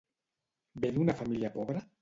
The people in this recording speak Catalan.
Ve d'una família pobra?